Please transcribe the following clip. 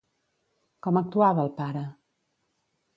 Com actuava el pare?